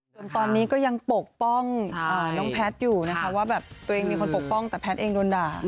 จนตอนนี้ก็ยังปกป้องน้องแพทย์อยู่นะคะว่าแบบตัวเองมีคนปกป้องแต่แพทย์เองโดนด่า